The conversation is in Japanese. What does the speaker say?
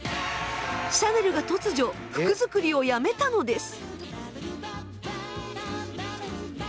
シャネルが突如服作りをやめたのです。